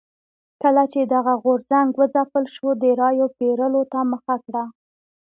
کله چې دغه غورځنګ وځپل شو د رایو پېرلو ته مخه کړه.